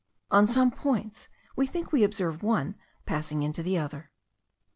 On some points we think we observe one passing into the other.